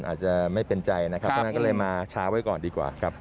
อาจจะไม่เป็นใจนะครับเพราะฉะนั้นก็เลยมาช้าไว้ก่อนดีกว่าครับ